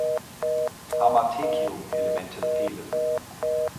Hamathecium-Elemente fehlen.